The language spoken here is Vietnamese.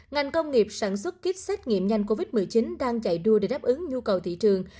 ngành công nghiệp sản xuất kit xét nghiệm nhanh covid một mươi chín đang chạy đua để đáp ứng nhu cầu thị trường